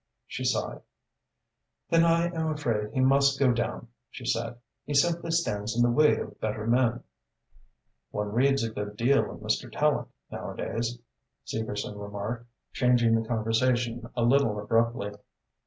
She sighed. "Then I am afraid he must go down," she said. "He simply stands in the way of better men." "One reads a good deal of Mr. Tallente, nowadays," Segerson remarked, changing the conversation a little abruptly.